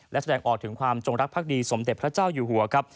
และแสดงออกถึงความจงรักภักดีสมเด็จพระเจ้าอยู่หัวครับ